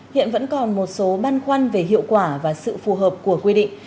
hiện vẫn còn một số băn khoăn về hiệu quả và sự phù hợp của quy định